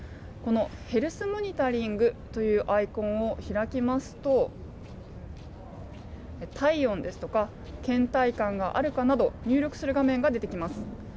このヘルスモニタリングというアイコンを開きますと体温や倦怠感があるかなどを入力する画面が出てきます。